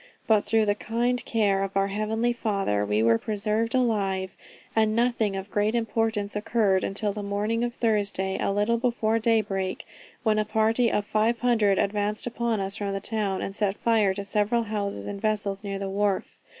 But through the kind care of our Heavenly Father, we were preserved alive, and nothing of great importance occurred until the morning of Thursday, a little before day break, when a party of 500 advanced upon us from the town, and set fire to several houses and vessels near the wharf.